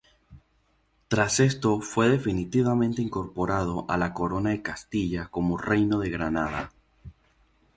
Tras esto fue definitivamente incorporado a la Corona de Castilla como Reino de Granada.